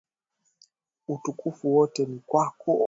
Utukufu wote ni kwako.